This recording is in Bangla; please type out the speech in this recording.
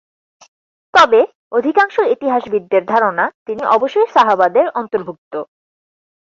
তবে অধিকাংশ ইতিহাসবিদদের ধারণা তিনি অবশ্যই সাহাবাদের অন্তর্ভুক্ত।